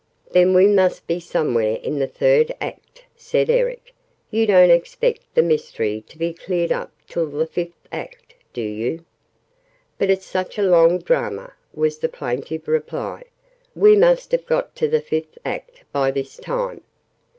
"Then we must be somewhere in the Third Act," said Eric. "You don't expect the mystery to be cleared up till the Fifth Act, do you?" "But it's such a long drama!" was the plaintive reply. "We must have got to the Fifth Act by this time!"